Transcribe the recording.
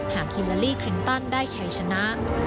หากฮิลาลี่คลินตันได้ใช้ชนะ